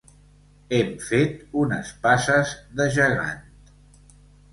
Hem fet unes passes de gegant.